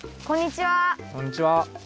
こんにちは。